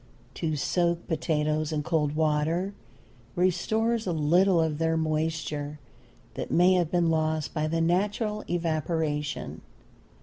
To soak potatoes in cold water restores a little of their moisture that may have been lost by the natural evaporation.